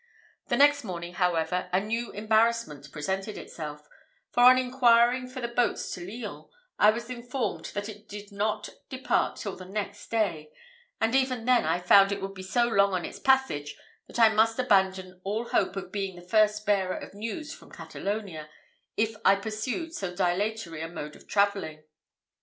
The next morning, however, a new embarrassment presented itself; for, on inquiring for the boat to Lyons, I was informed that it did not depart till the next day; and even then I found it would be so long on its passage that I must abandon all hope of being the first bearer of news from Catalonia, if I pursued so dilatory a mode of travelling.